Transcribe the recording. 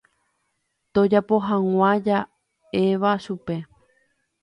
tojapo hag̃ua ja'éva chupe.